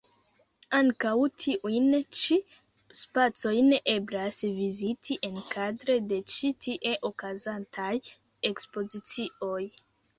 Ankaŭ tiujn ĉi spacojn eblas viziti enkadre de ĉi tie okazantaj ekspozicioj.